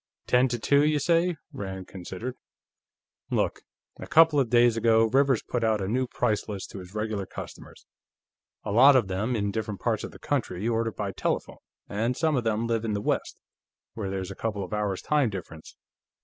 "Ten to two, you say," Rand considered. "Look. A couple of days ago, Rivers put out a new price list to his regular customers. A lot of them, in different parts of the country, order by telephone, and some of them live in the West, where there's a couple of hours' time difference.